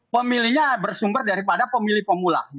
pemilihnya bersumber daripada pemilih pemula